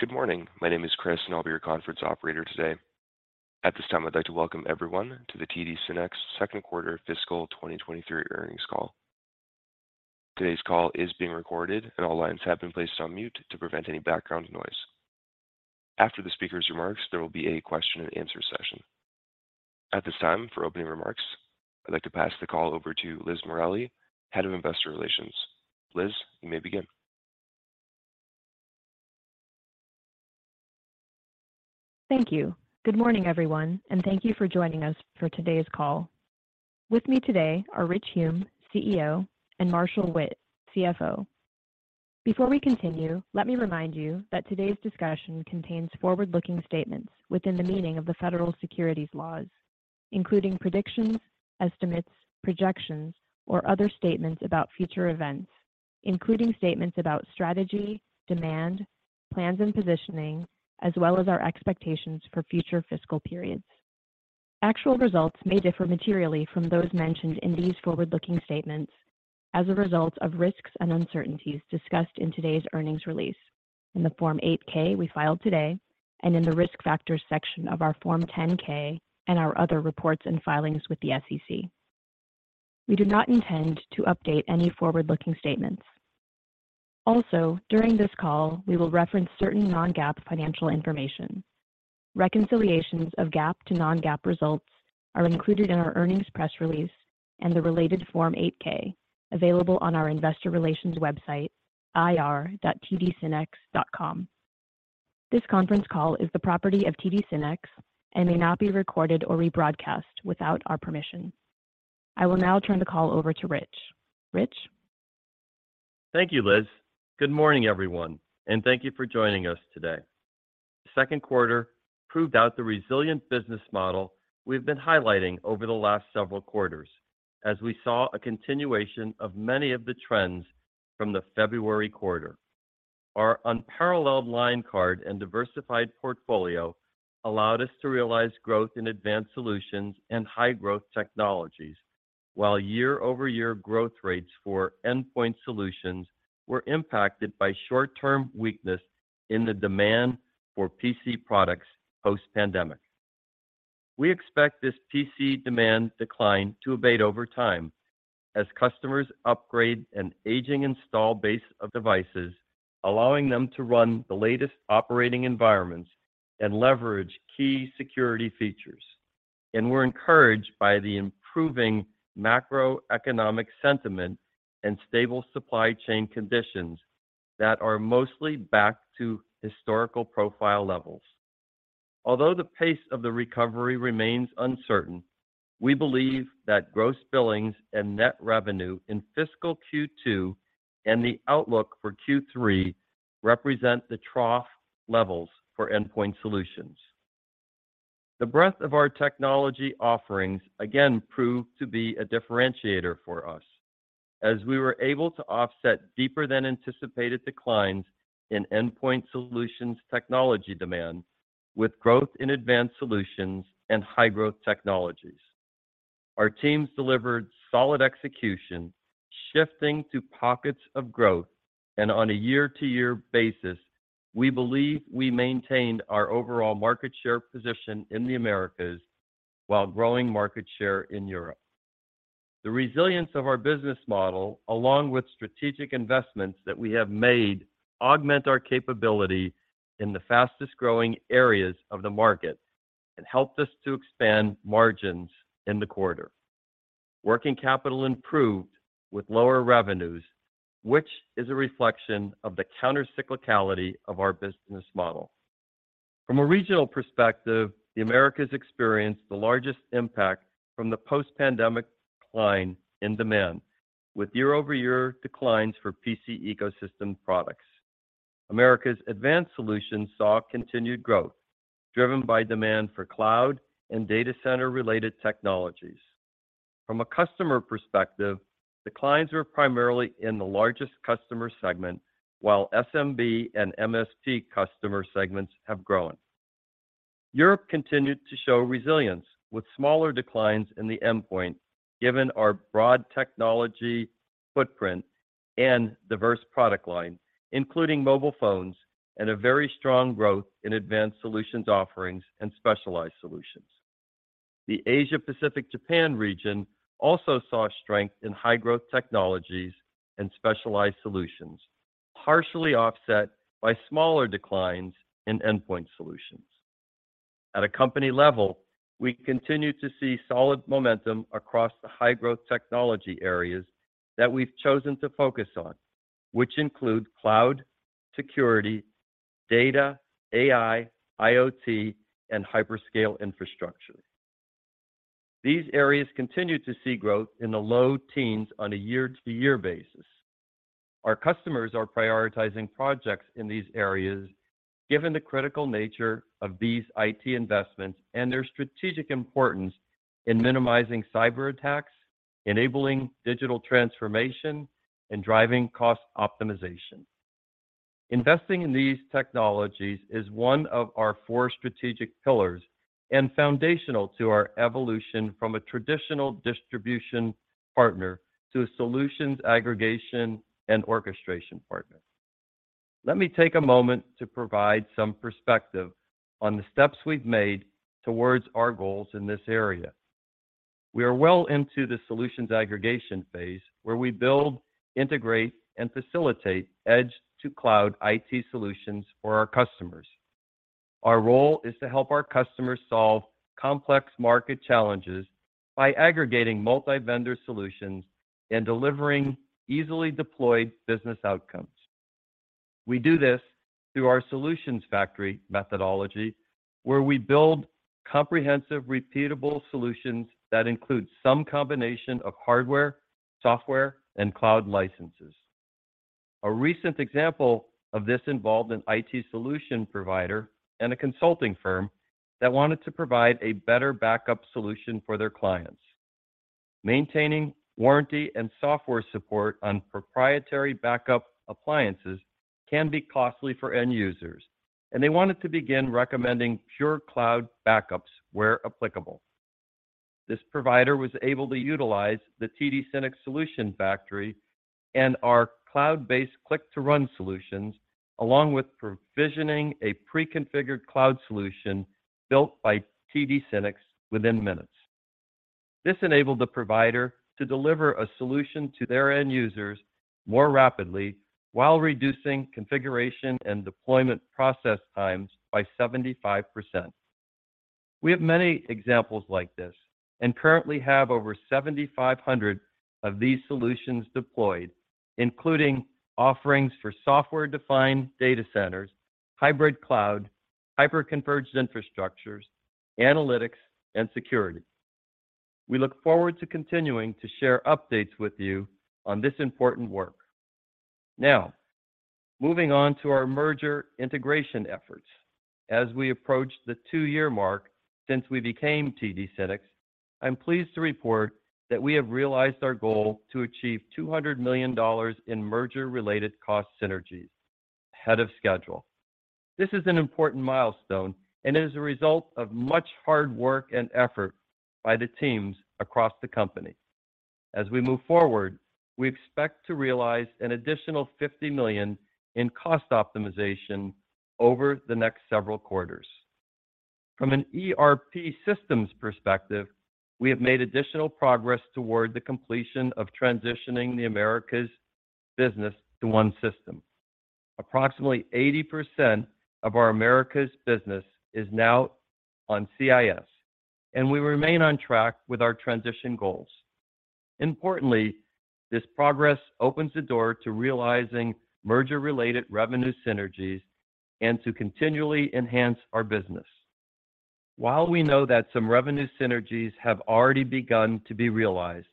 Good morning. My name is Chris. I'll be your conference operator today. At this time, I'd like to welcome everyone to the TD SYNNEX second quarter fiscal 2023 earnings call. Today's call is being recorded. All lines have been placed on mute to prevent any background noise. After the speaker's remarks, there will be a question and answer session. At this time, for opening remarks, I'd like to pass the call over to Liz Morali, Head of Investor Relations. Liz, you may begin. Thank you. Good morning, everyone, and thank you for joining us for today's call. With me today are Rich Hume, CEO, and Marshall Witt, CFO. Before we continue, let me remind you that today's discussion contains forward-looking statements within the meaning of the federal securities laws, including predictions, estimates, projections, or other statements about future events, including statements about strategy, demand, plans and positioning, as well as our expectations for future fiscal periods. Actual results may differ materially from those mentioned in these forward-looking statements as a result of risks and uncertainties discussed in today's earnings release, in the Form 8-K we filed today, and in the Risk Factors section of our Form 10-K and our other reports and filings with the SEC. We do not intend to update any forward-looking statements. During this call, we will reference certain non-GAAP financial information. Reconciliations of GAAP to non-GAAP results are included in our earnings press release and the related Form 8-K, available on our investor relations website, ir.tdsynnex.com. This conference call is the property of TD SYNNEX and may not be recorded or rebroadcast without our permission. I will now turn the call over to Rich. Rich? Thank you, Liz. Good morning, everyone, and thank you for joining us today. Second quarter proved out the resilient business model we've been highlighting over the last several quarters, as we saw a continuation of many of the trends from the February quarter. Our unparalleled line card and diversified portfolio allowed us to realize growth in Advanced Solutions and high-growth technologies, while year-over-year growth rates for Endpoint Solutions were impacted by short-term weakness in the demand for PC products post-pandemic. We expect this PC demand decline to abate over time as customers upgrade an aging installed base of devices, allowing them to run the latest operating environments and leverage key security features. We're encouraged by the improving macroeconomic sentiment and stable supply chain conditions that are mostly back to historical profile levels. Although the pace of the recovery remains uncertain, we believe that gross billings and net revenue in fiscal Q2 and the outlook for Q3 represent the trough levels for Endpoint Solutions. The breadth of our technology offerings again proved to be a differentiator for us, as we were able to offset deeper than anticipated declines in Endpoint Solutions technology demand with growth in Advanced Solutions and high-growth technologies. Our teams delivered solid execution, shifting to pockets of growth, and on a year-to-year basis, we believe we maintained our overall market share position in the Americas, while growing market share in Europe. The resilience of our business model, along with strategic investments that we have made, augment our capability in the fastest-growing areas of the market and helped us to expand margins in the quarter. Working capital improved with lower revenues, which is a reflection of the countercyclicality of our business model. From a regional perspective, the Americas experienced the largest impact from the post-pandemic decline in demand, with year-over-year declines for PC ecosystem products. Americas' Advanced Solutions saw continued growth, driven by demand for cloud and data center-related technologies. From a customer perspective, declines were primarily in the largest customer segment, while SMB and MSP customer segments have grown. Europe continued to show resilience, with smaller declines in the endpoint, given our broad technology footprint and diverse product line, including mobile phones and a very strong growth in Advanced Solutions offerings and specialized solutions. The Asia Pacific Japan region also saw strength in high-growth technologies and specialized solutions, partially offset by smaller declines in Endpoint Solutions. At a company level, we continue to see solid momentum across the High-Growth Technology areas that we've chosen to focus on, which include cloud, security, data, AI, IoT, and hyperscale infrastructure. These areas continue to see growth in the low teens on a year-to-year basis. Our customers are prioritizing projects in these areas, given the critical nature of these IT investments and their strategic importance in minimizing cyberattacks, enabling digital transformation, and driving cost optimization. Investing in these technologies is one of our four strategic pillars and foundational to our evolution from a traditional distribution partner to a solutions aggregation and orchestration partner. Let me take a moment to provide some perspective on the steps we've made towards our goals in this area. We are well into the solutions aggregation phase, where we build, integrate, and facilitate edge-to-cloud IT solutions for our customers. Our role is to help our customers solve complex market challenges by aggregating multi-vendor solutions and delivering easily deployed business outcomes. We do this through our Solutions Factory methodology, where we build comprehensive, repeatable solutions that include some combination of hardware, software, and cloud licenses. A recent example of this involved an IT solution provider and a consulting firm that wanted to provide a better backup solution for their clients. Maintaining warranty and software support on proprietary backup appliances can be costly for end users. They wanted to begin recommending pure cloud backups where applicable. This provider was able to utilize the TD SYNNEX Solutions Factory and our cloud-based Click-to-Run solutions, along with provisioning a pre-configured cloud solution built by TD SYNNEX within minutes. This enabled the provider to deliver a solution to their end users more rapidly, while reducing configuration and deployment process times by 75%. We have many examples like this and currently have over 7,500 of these solutions deployed, including offerings for software-defined data centers, hybrid cloud, hyperconverged infrastructures, analytics, and security. We look forward to continuing to share updates with you on this important work. Moving on to our merger integration efforts. As we approach the two-year mark since we became TD SYNNEX, I'm pleased to report that we have realized our goal to achieve $200 million in merger-related cost synergies ahead of schedule. This is an important milestone and it is a result of much hard work and effort by the teams across the company. As we move forward, we expect to realize an additional $50 million in cost optimization over the next several quarters. From an ERP systems perspective, we have made additional progress toward the completion of transitioning the Americas business to one system. Approximately 80% of our Americas business is now on CIS. We remain on track with our transition goals. Importantly, this progress opens the door to realizing merger-related revenue synergies and to continually enhance our business. While we know that some revenue synergies have already begun to be realized,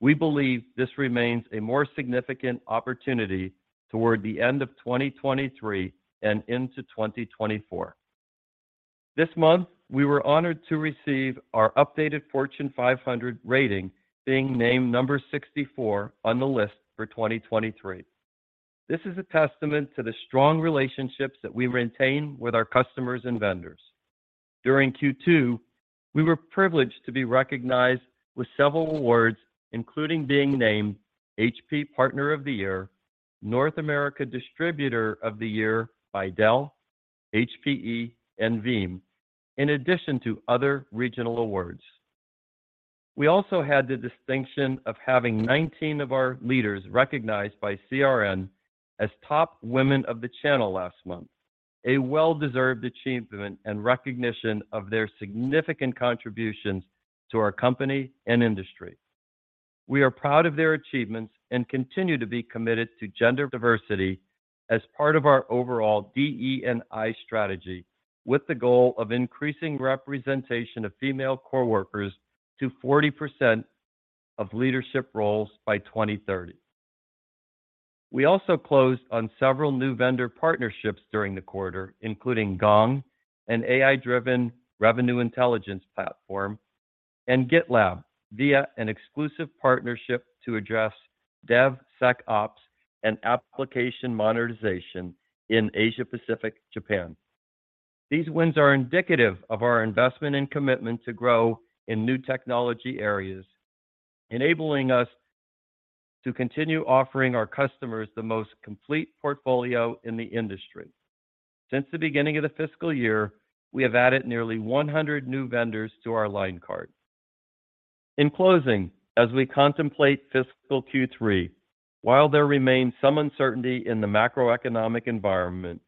we believe this remains a more significant opportunity toward the end of 2023 and into 2024. This month, we were honored to receive our updated Fortune 500 rating, being named number 64 on the list for 2023. This is a testament to the strong relationships that we maintain with our customers and vendors. During Q2, we were privileged to be recognized with several awards, including being named HP Partner of the Year, North America Distributor of the Year by Dell, HPE, and Veeam, in addition to other regional awards. We also had the distinction of having 19 of our leaders recognized by CRN as top women of the channel last month, a well-deserved achievement and recognition of their significant contributions to our company and industry. We are proud of their achievements and continue to be committed to gender diversity as part of our overall DE&I strategy, with the goal of increasing representation of female core workers to 40% of leadership roles by 2030. We also closed on several new vendor partnerships during the quarter, including Gong, an AI-driven revenue intelligence platform, and GitLab, via an exclusive partnership to address DevSecOps and application modernization in Asia Pacific, Japan. These wins are indicative of our investment and commitment to grow in new technology areas, enabling us to continue offering our customers the most complete portfolio in the industry. Since the beginning of the fiscal year, we have added nearly 100 new vendors to our line card. In closing, as we contemplate fiscal Q3, while there remains some uncertainty in the macroeconomic environment,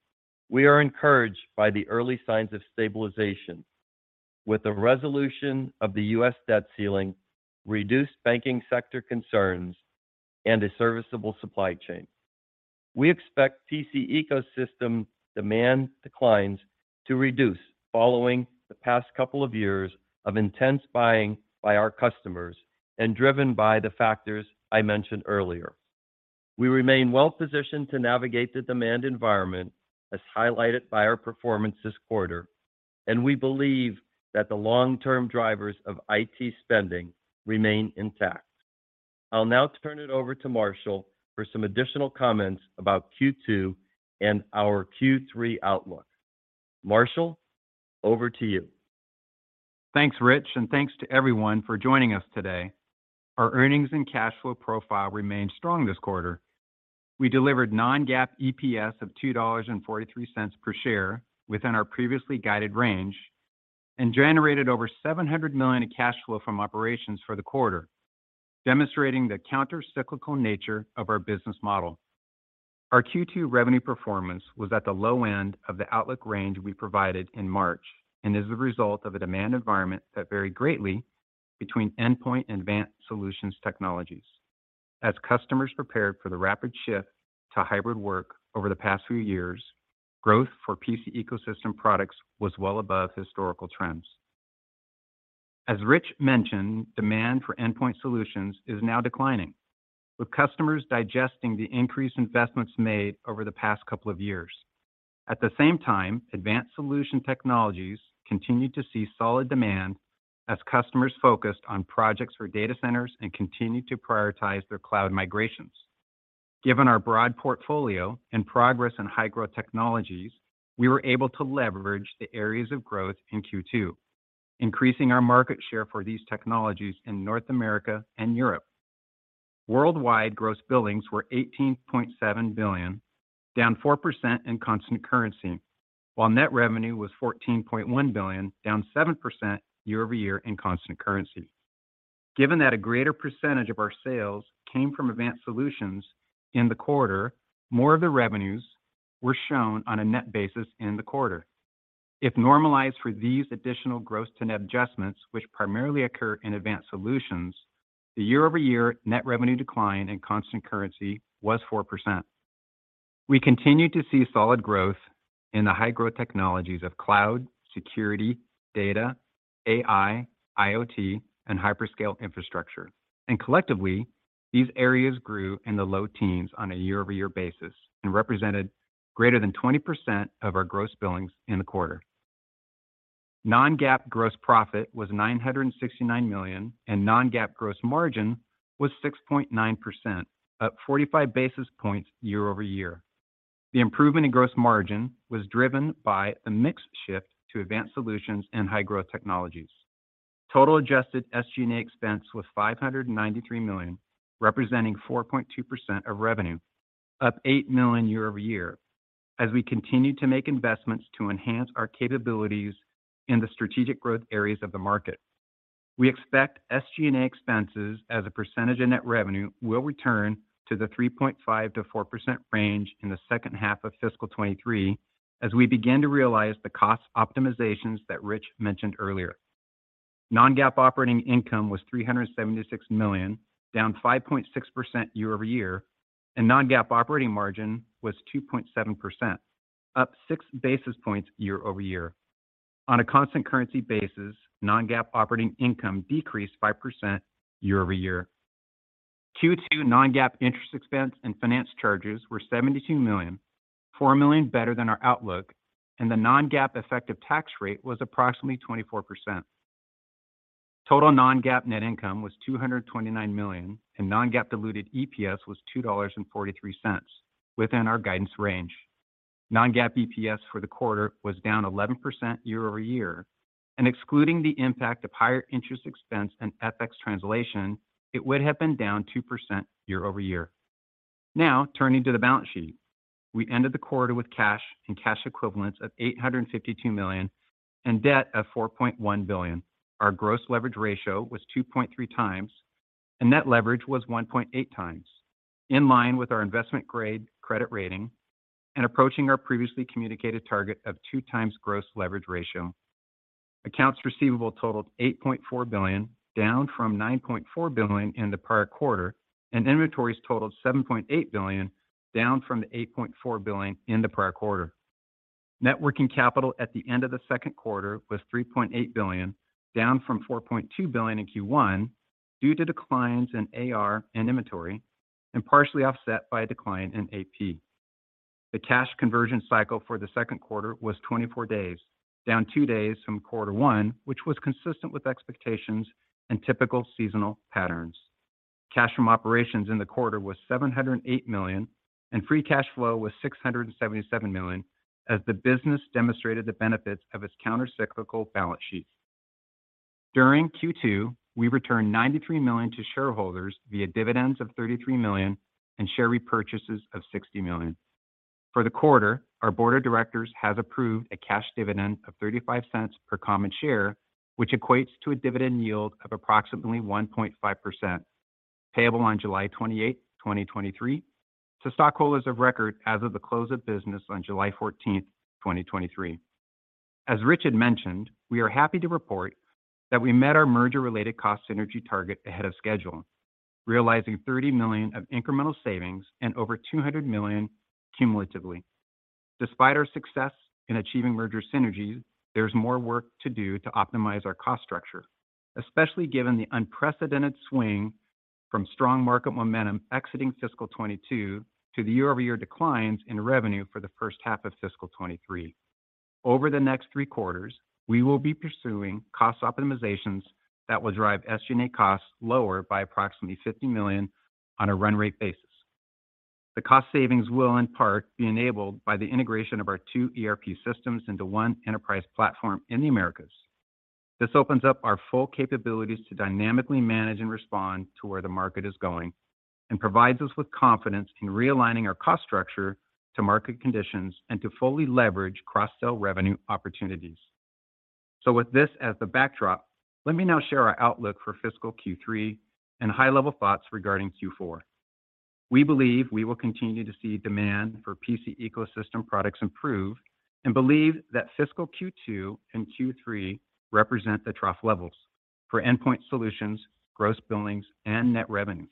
we are encouraged by the early signs of stabilization. With the resolution of the US debt ceiling, reduced banking sector concerns, and a serviceable supply chain, we expect PC ecosystem demand declines to reduce following the past couple of years of intense buying by our customers and driven by the factors I mentioned earlier. We remain well positioned to navigate the demand environment, as highlighted by our performance this quarter, and we believe that the long-term drivers of IT spending remain intact. I'll now turn it over to Marshall for some additional comments about Q2 and our Q3 outlook. Marshall, over to you. Thanks, Rich, thanks to everyone for joining us today. Our earnings and cash flow profile remained strong this quarter. We delivered non-GAAP EPS of $2.43 per share within our previously guided range, and generated over $700 million in cash flow from operations for the quarter, demonstrating the countercyclical nature of our business model. Our Q2 revenue performance was at the low end of the outlook range we provided in March, and is the result of a demand environment that varied greatly between Endpoint Solutions and Advanced Solutions technologies. As customers prepared for the rapid shift to hybrid work over the past few years, growth for PC ecosystem products was well above historical trends. As Rich mentioned, demand for Endpoint Solutions is now declining, with customers digesting the increased investments made over the past couple of years. At the same time, Advanced Solutions continued to see solid demand as customers focused on projects for data centers and continued to prioritize their cloud migrations. Given our broad portfolio and progress in high-growth technologies, we were able to leverage the areas of growth in Q2, increasing our market share for these technologies in North America and Europe. Worldwide gross billings were $18.7 billion, down 4% in constant currency, while net revenue was $14.1 billion, down 7% year-over-year in constant currency. Given that a greater percentage of our sales came from Advanced Solutions in the quarter, more of the revenues were shown on a net basis in the quarter. If normalized for these additional gross to net adjustments, which primarily occur in Advanced Solutions, the year-over-year net revenue decline in constant currency was 4%. We continued to see solid growth in the high-growth technologies of cloud, security, data, AI, IoT, and hyperscale infrastructure. Collectively, these areas grew in the low teens on a year-over-year basis and represented greater than 20% of our gross billings in the quarter. Non-GAAP gross profit was $969 million, and non-GAAP gross margin was 6.9%, up 45 basis points year-over-year. The improvement in gross margin was driven by a mix shift to Advanced Solutions and high-growth technologies. Total adjusted SG&A expense was $593 million, representing 4.2% of revenue, up $8 million year-over-year, as we continued to make investments to enhance our capabilities in the strategic growth areas of the market. We expect SG&A expenses as a percentage of net revenue will return to the 3.5%-4% range in the second half of fiscal 2023, as we begin to realize the cost optimizations that Rich mentioned earlier. Non-GAAP operating income was $376 million, down 5.6% year-over-year, and non-GAAP operating margin was 2.7%, up six basis points year-over-year. On a constant currency basis, non-GAAP operating income decreased 5% year-over-year. Q2 non-GAAP interest expense and finance charges were $72 million, $4 million better than our outlook, and the non-GAAP effective tax rate was approximately 24%. Total non-GAAP net income was $229 million, and non-GAAP diluted EPS was $2.43, within our guidance range. Non-GAAP EPS for the quarter was down 11% year-over-year, and excluding the impact of higher interest expense and FX translation, it would have been down 2% year-over-year. Turning to the balance sheet. We ended the quarter with cash and cash equivalents of $852 million, and debt of $4.1 billion. Our gross leverage ratio was 2.3x, and net leverage was 1.8x, in line with our investment-grade credit rating and approaching our previously communicated target of 2x gross leverage ratio. Accounts receivable totaled $8.4 billion, down from $9.4 billion in the prior quarter, and inventories totaled $7.8 billion, down from the $8.4 billion in the prior quarter. Networking capital at the end of the second quarter was $3.8 billion, down from $4.2 billion in Q1, due to declines in AR and inventory, and partially offset by a decline in AP. The cash conversion cycle for the second quarter was 24 days, down two days from quarter one, which was consistent with expectations and typical seasonal patterns. Cash from operations in the quarter was $708 million, and free cash flow was $677 million, as the business demonstrated the benefits of its countercyclical balance sheet. During Q2, we returned $93 million to shareholders via dividends of $33 million and share repurchases of $60 million. For the quarter, our board of directors has approved a cash dividend of $0.35 per common share, which equates to a dividend yield of approximately 1.5%, payable on July 28, 2023, to stockholders of record as of the close of business on July 14th, 2023. As Rich had mentioned, we are happy to report that we met our merger-related cost synergy target ahead of schedule, realizing $30 million of incremental savings and over $200 million cumulatively. Despite our success in achieving merger synergies, there's more work to do to optimize our cost structure, especially given the unprecedented swing from strong market momentum exiting fiscal 2022 to the year-over-year declines in revenue for the first half of fiscal 2023. Over the next three quarters, we will be pursuing cost optimizations that will drive SG&A costs lower by approximately $50 million on a run rate basis. The cost savings will in part be enabled by the integration of our two ERP systems into one enterprise platform in the Americas. This opens up our full capabilities to dynamically manage and respond to where the market is going, and provides us with confidence in realigning our cost structure to market conditions and to fully leverage cross-sell revenue opportunities. With this as the backdrop, let me now share our outlook for fiscal Q3 and high-level thoughts regarding Q4. We believe we will continue to see demand for PC ecosystem products improve, and believe that fiscal Q2 and Q3 represent the trough levels for Endpoint Solutions, gross billings, and net revenue.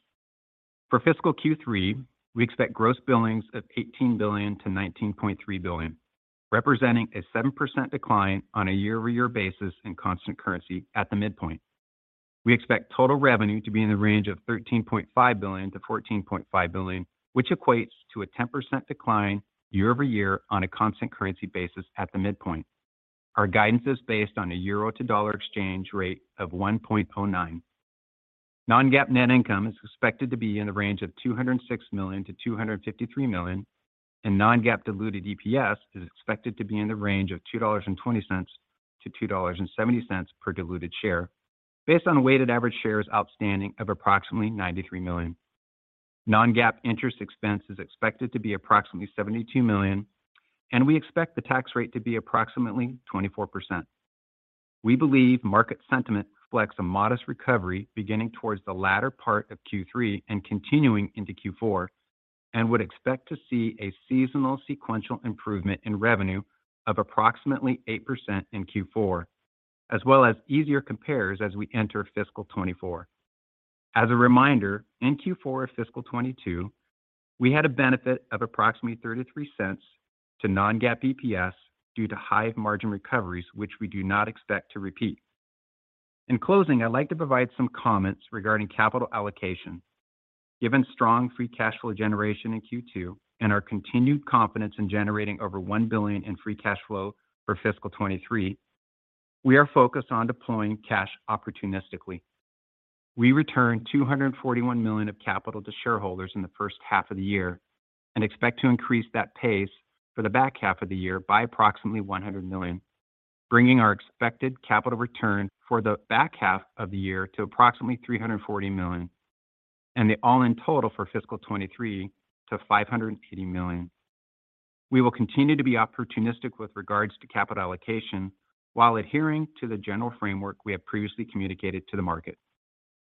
For fiscal Q3, we expect gross billings of $18 billion-$19.3 billion, representing a 7% decline on a year-over-year basis in constant currency at the midpoint. We expect total revenue to be in the range of $13.5 billion-$14.5 billion, which equates to a 10% decline year-over-year on a constant currency basis at the midpoint. Our guidance is based on a EUR to USD exchange rate of 1.09. Non-GAAP net income is expected to be in the range of $206 million-$253 million, and non-GAAP diluted EPS is expected to be in the range of $2.20-$2.70 per diluted share, based on weighted average shares outstanding of approximately 93 million. Non-GAAP interest expense is expected to be approximately $72 million, and we expect the tax rate to be approximately 24%. We believe market sentiment reflects a modest recovery beginning towards the latter part of Q3 and continuing into Q4, and would expect to see a seasonal sequential improvement in revenue of approximately 8% in Q4, as well as easier compares as we enter fiscal 2024. As a reminder, in Q4 of fiscal 2022, we had a benefit of approximately $0.33 to non-GAAP EPS due to high margin recoveries, which we do not expect to repeat. In closing, I'd like to provide some comments regarding capital allocation. Given strong free cash flow generation in Q2 and our continued confidence in generating over $1 billion in free cash flow for fiscal 2023, we are focused on deploying cash opportunistically. We returned $241 million of capital to shareholders in the first half of the year, expect to increase that pace for the back half of the year by approximately $100 million, bringing our expected capital return for the back half of the year to approximately $340 million, and the all-in total for fiscal 2023 to $580 million. We will continue to be opportunistic with regards to capital allocation, while adhering to the general framework we have previously communicated to the market.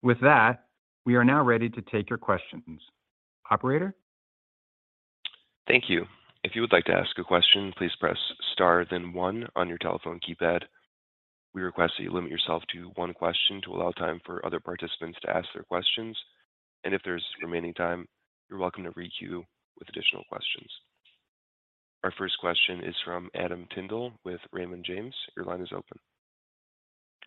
We are now ready to take your questions. Operator? Thank you. If you would like to ask a question, please press Star, then one on your telephone keypad. We request that you limit yourself to one question to allow time for other participants to ask their questions. If there's remaining time, you're welcome to re-queue with additional questions. Our first question is from Adam Tindle with Raymond James. Your line is open.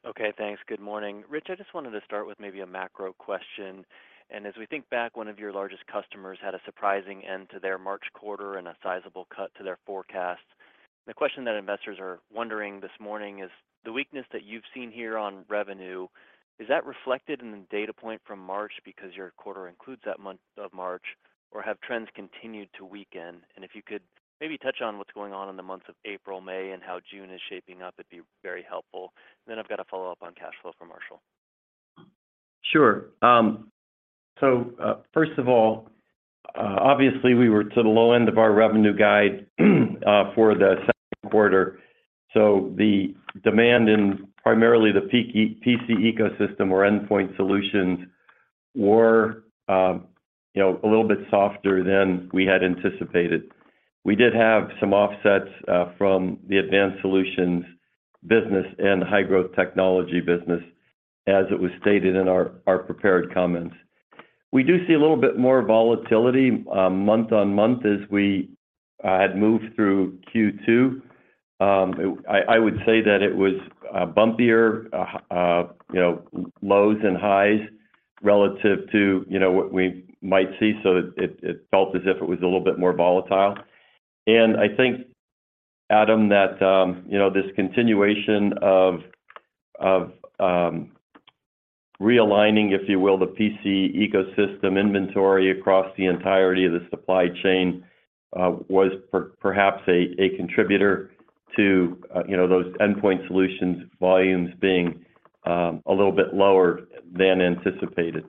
Okay, thanks. Good morning. Rich, I just wanted to start with maybe a macro question. As we think back, one of your largest customers had a surprising end to their March quarter and a sizable cut to their forecast. The question that investors are wondering this morning is, the weakness that you've seen here on revenue, is that reflected in the data point from March because your quarter includes that month of March, or have trends continued to weaken? If you could maybe touch on what's going on in the months of April, May, and how June is shaping up, it'd be very helpful. I've got a follow-up on cash flow for Marshall. Sure. First of all, obviously, we were to the low end of our revenue guide for the second quarter, so the demand in primarily the PC ecosystem or Endpoint Solutions were, you know, a little bit softer than we had anticipated. We did have some offsets from the Advanced Solutions business and High-Growth Technology business, as it was stated in our prepared comments. We do see a little bit more volatility month-on-month as we had moved through Q2. I would say that it was bumpier, you know, lows and highs relative to, you know, what we might see, so it felt as if it was a little bit more volatile. I think, Adam, that, you know, this continuation of realigning, if you will, the PC ecosystem inventory across the entirety of the supply chain, perhaps a contributor to, you know, those Endpoint Solutions volumes being a little bit lower than anticipated.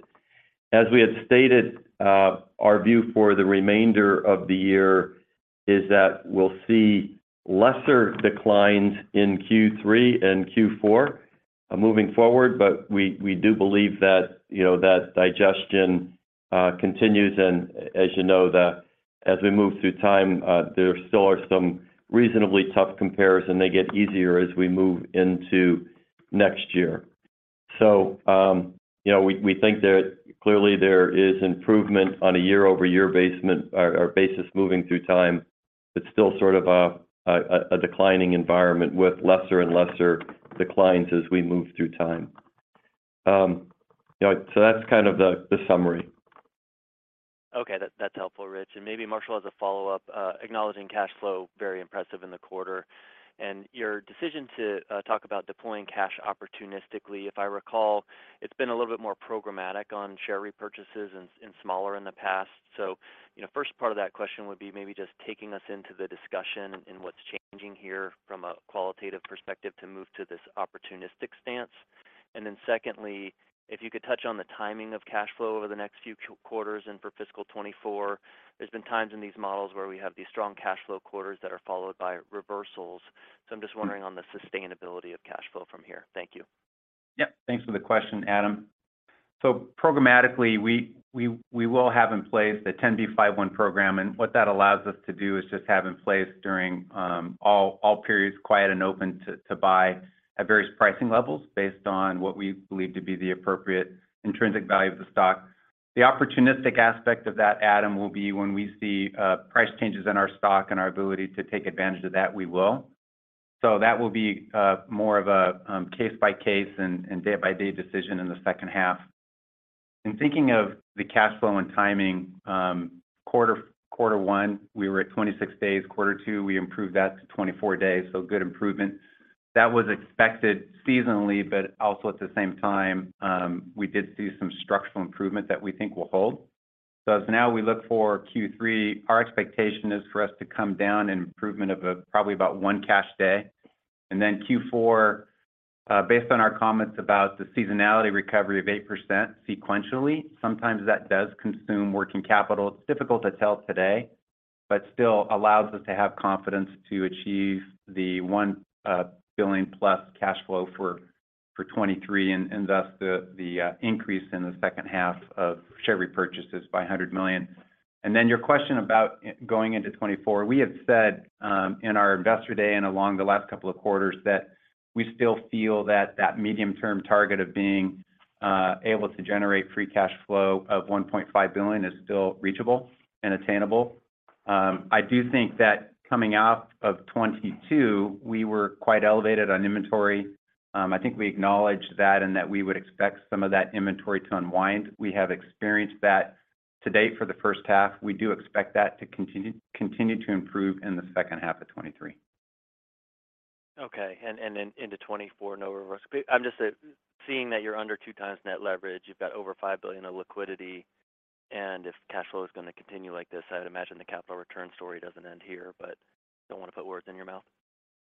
As we had stated, our view for the remainder of the year is that we'll see lesser declines in Q3 and Q4 moving forward, we do believe that, you know, that digestion continues. As you know, as we move through time, there still are some reasonably tough comparison. They get easier as we move into next year. You know, we think that clearly there is improvement on a year-over-year basis moving through time.It's still sort of a declining environment with lesser and lesser declines as we move through time. You know, that's kind of the summary. Okay, that's helpful, Rich. Maybe Marshall has a follow-up. Acknowledging cash flow, very impressive in the quarter. Your decision to talk about deploying cash opportunistically, if I recall, it's been a little bit more programmatic on share repurchases and smaller in the past. You know, first part of that question would be maybe just taking us into the discussion and what's changing here from a qualitative perspective to move to this opportunistic stance? Then secondly, if you could touch on the timing of cash flow over the next few quarters and for fiscal 2024. There's been times in these models where we have these strong cash flow quarters that are followed by reversals. I'm just wondering on the sustainability of cash flow from here. Thank you. Yep. Thanks for the question, Adam. Programmatically, we will have in place the 10b5-1 program, and what that allows us to do is just have in place during all periods, quiet and open to buy at various pricing levels, based on what we believe to be the appropriate intrinsic value of the stock. The opportunistic aspect of that, Adam, will be when we see price changes in our stock and our ability to take advantage of that, we will. That will be more of a case-by-case and day-by-day decision in the second half. In thinking of the cash flow and timing, quarter one, we were at 26 days. Quarter two, we improved that to 24 days, so good improvement. That was expected seasonally, but also at the same time, we did see some structural improvement that we think will hold. As now we look for Q3, our expectation is for us to come down an improvement of probably about one cash day. Q4, based on our comments about the seasonality recovery of 8% sequentially, sometimes that does consume working capital. It's difficult to tell today, but still allows us to have confidence to achieve the $1 billion+ cash flow for 2023, and thus the increase in the second half of share repurchases by $100 million. Your question about going into 2024, we have said in our Investor Day and along the last couple of quarters, that we still feel that that medium-term target of being able to generate free cash flow of $1.5 billion is still reachable and attainable. I do think that coming out of 2022, we were quite elevated on inventory. I think we acknowledged that, and that we would expect some of that inventory to unwind. We have experienced that to date for the first half. We do expect that to continue to improve in the second half of 2023. Okay, into 2024, no reversal. I'm just saying, seeing that you're under 2x net leverage, you've got over $5 billion of liquidity, if cash flow is gonna continue like this, I would imagine the capital return story doesn't end here, don't wanna put words in your mouth.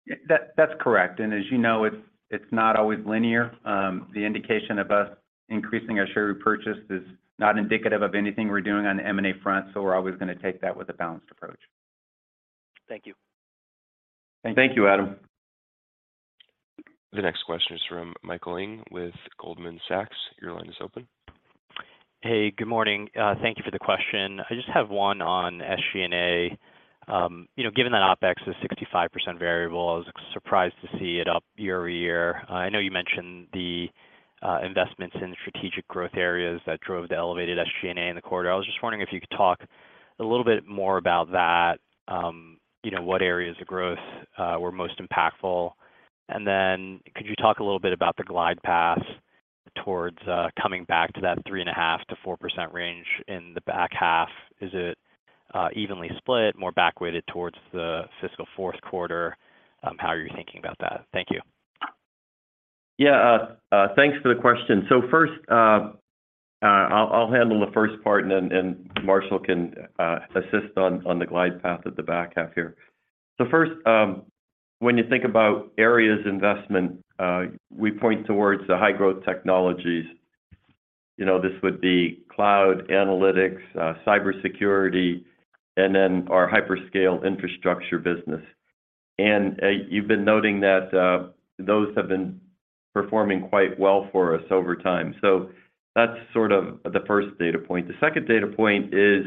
Yeah, that's correct. As you know, it's not always linear. The indication of us increasing our share repurchase is not indicative of anything we're doing on the M&A front, so we're always gonna take that with a balanced approach. Thank you. Thank you, Adam. The next question is from Michael Ng with Goldman Sachs. Your line is open. Hey, good morning. Thank you for the question. I just have one on SG&A. You know, given that OpEx is 65% variable, I was surprised to see it up year-over-year. I know you mentioned the investments in strategic growth areas that drove the elevated SG&A in the quarter. I was just wondering if you could talk a little bit more about that, you know, what areas of growth were most impactful? Then could you talk a little bit about the glide path towards coming back to that 3.5%-4% range in the back half? Is it evenly split, more back-weighted towards the fiscal fourth quarter? How are you thinking about that? Thank you. Yeah, thanks for the question. First, I'll handle the first part, and then Marshall can assist on the glide path at the back half here. First, when you think about areas investment, we point towards the high-growth technologies. You know, this would be cloud analytics, cybersecurity, and then our hyperscale infrastructure business. You've been noting that those have been performing quite well for us over time. That's sort of the first data point. The second data point is,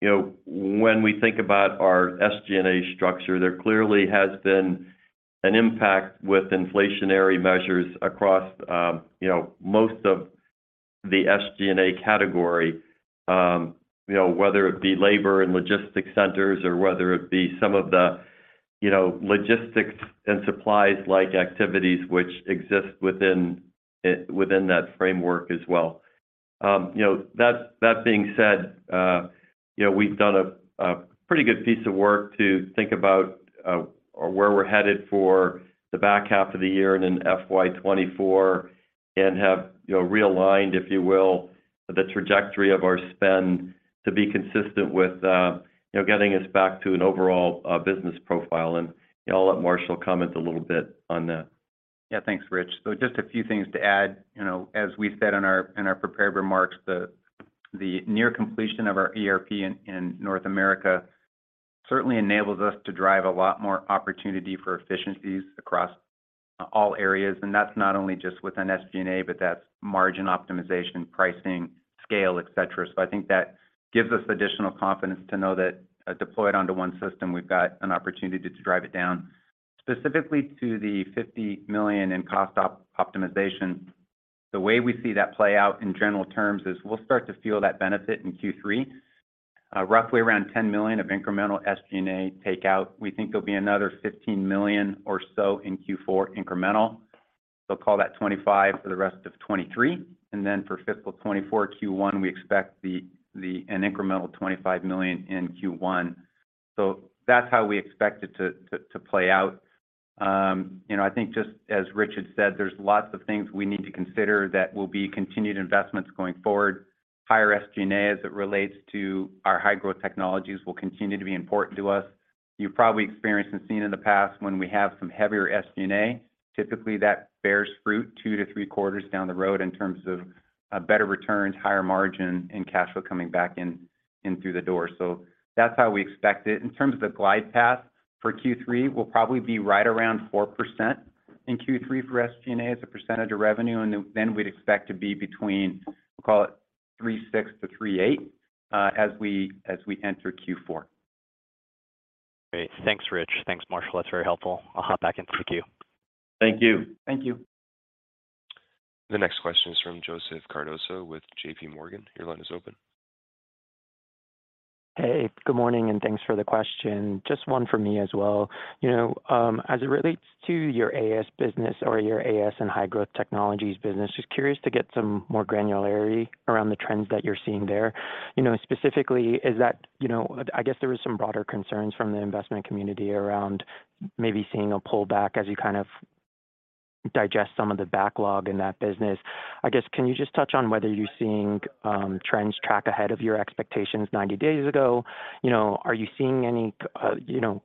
you know, when we think about our SG&A structure, there clearly has been an impact with inflationary measures across, you know, most of the SG&A category. You know, whether it be labor and logistics centers or whether it be some of the, you know, logistics and supplies like activities which exist within that framework as well. You know, that being said, you know, we've done a pretty good piece of work to think about where we're headed for the back half of the year and in FY 2024, and have, you know, realigned, if you will, the trajectory of our spend to be consistent with, you know, getting us back to an overall business profile. You know, I'll let Marshall comment a little bit on that. Yeah. Thanks, Rich. Just a few things to add. You know, as we said in our prepared remarks, the near completion of our ERP in North America certainly enables us to drive a lot more opportunity for efficiencies across all areas. That's not only just within SG&A, but that's margin optimization, pricing, scale, et cetera. I think that gives us additional confidence to know that deployed onto one system, we've got an opportunity to drive it down. Specifically to the $50 million in cost optimization, the way we see that play out in general terms is we'll start to feel that benefit in Q3, roughly around $10 million of incremental SG&A takeout. We think there'll be another $15 million or so in Q4 incremental. Call that $25 million for the rest of 2023, and then for fiscal 2024 Q1, we expect the an incremental $25 million in Q1. That's how we expect it to play out. You know, I think just as Rich had said, there's lots of things we need to consider that will be continued investments going forward. Higher SG&A, as it relates to our high-growth technologies, will continue to be important to us. You've probably experienced and seen in the past when we have some heavier SG&A, typically, that bears fruit two-three quarters down the road in terms of better returns, higher margin, and cash flow coming back in through the door. That's how we expect it. In terms of the glide path for Q3, we'll probably be right around 4% in Q3 for SG&A as a percentage of revenue, and then we'd expect to be between, we'll call it 3.6%-3.8%, as we enter Q4. Great. Thanks, Rich. Thanks, Marshall. That's very helpful. I'll hop back into the queue. Thank you. Thank you. The next question is from Joseph Cardoso with J.P. Morgan. Your line is open. Good morning, and thanks for the question. Just one from me as well. You know, as it relates to your AS business or your AS and high-growth technologies business, just curious to get some more granularity around the trends that you're seeing there. You know, specifically, is that, you know, I guess there were some broader concerns from the investment community around maybe seeing a pullback as you kind of digest some of the backlog in that business. I guess, can you just touch on whether you're seeing trends track ahead of your expectations 90 days ago? You know, are you seeing any, you know,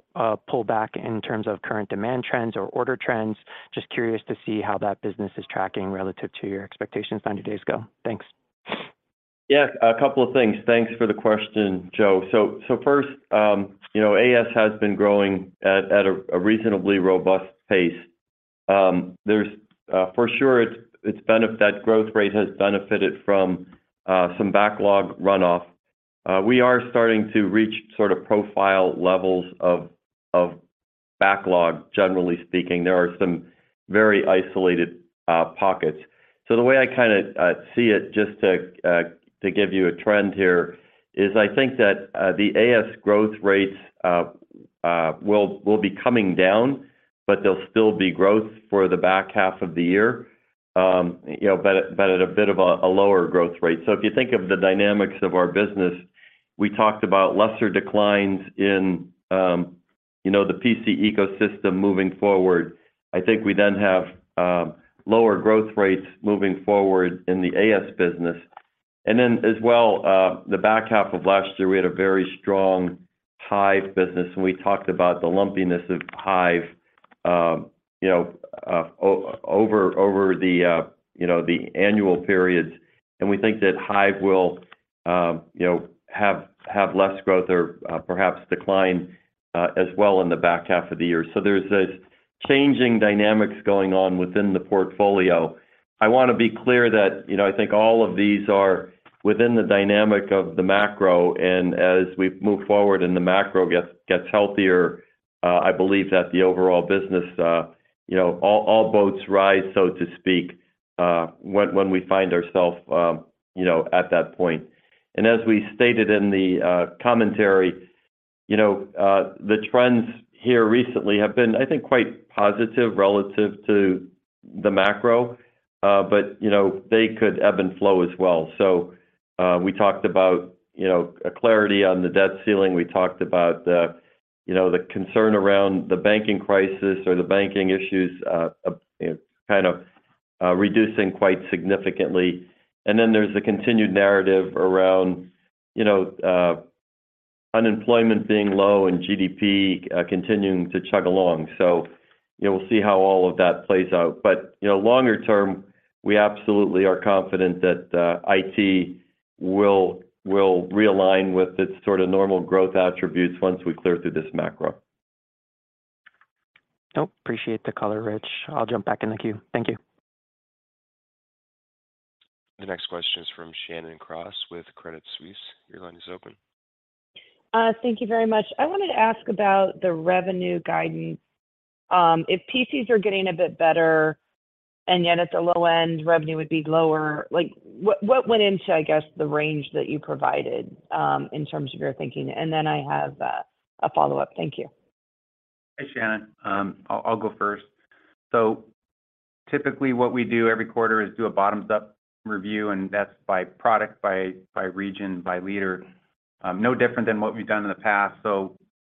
pullback in terms of current demand trends or order trends? Just curious to see how that business is tracking relative to your expectations 90 days ago. Thanks. Yeah, a couple of things. Thanks for the question, Joe. First, you know, AS has been growing at a reasonably robust pace. There's for sure, that growth rate has benefited from some backlog runoff. We are starting to reach sort of profile levels of backlog, generally speaking. There are some very isolated pockets. The way I kind of see it, just to give you a trend here, is I think that the AS growth rates will be coming down, but there'll still be growth for the back half of the year, you know, but at a bit of a lower growth rate. If you think of the dynamics of our business, we talked about lesser declines in, you know, the PC ecosystem moving forward. I think we then have lower growth rates moving forward in the AS business. Then as well, the back half of last year, we had a very strong Hyve business, and we talked about the lumpiness of Hyve, you know, over the, you know, annual periods. We think that Hyve will, you know, have less growth or perhaps decline as well in the back half of the year. There's these changing dynamics going on within the portfolio. I want to be clear that, you know, I think all of these are within the dynamic of the macro, and as we move forward and the macro gets healthier, I believe that the overall business, you know, all boats rise, so to speak, when we find ourself, you know, at that point. As we stated in the commentary, you know, the trends here recently have been, I think, quite positive relative to the macro, but, you know, they could ebb and flow as well. We talked about, you know, a clarity on the Debt Ceiling. We talked about the, you know, the concern around the banking crisis or the banking issues, kind of reducing quite significantly. There's the continued narrative around, you know, unemployment being low and GDP, continuing to chug along. You know, we'll see how all of that plays out. You know, longer term, we absolutely are confident that IT will realign with its sort of normal growth attributes once we clear through this macro. Oh, appreciate the color, Rich. I'll jump back in the queue. Thank you. The next question is from Shannon Cross with Credit Suisse. Your line is open. Thank you very much. I wanted to ask about the revenue guidance. If PCs are getting a bit better, and yet at the low end, revenue would be lower, like, what went into, I guess, the range that you provided, in terms of your thinking? Then I have a follow-up. Thank you. Hi, Shannon. I'll go first. Typically, what we do every quarter is do a bottoms-up review, and that's by product, by region, by leader. No different than what we've done in the past.